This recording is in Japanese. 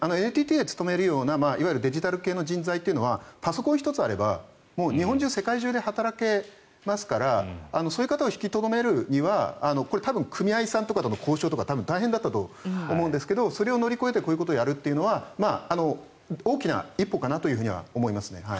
ＮＴＴに勤めるようなデジタル系の人材はパソコン１つあれば日本中、世界中で働けますからそういう方を引き留めるには多分、組合さんとかの交渉大変だったと思うんですがそれを乗り越えてこういうことをやるというのは大きな一歩かなと思います。